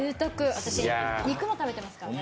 私、肉も食べてますからね。